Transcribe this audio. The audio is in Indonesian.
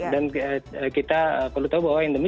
dan kita perlu tahu bahwa endemi